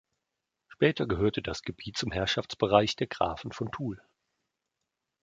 Später gehörte das Gebiet zum Herrschaftsbereich der Grafen von Toul.